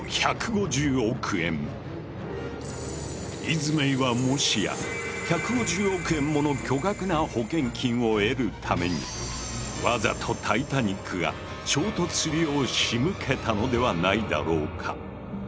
イズメイはもしや１５０億円もの巨額な保険金を得るためにわざとタイタニックが衝突するようしむけたのではないだろうか？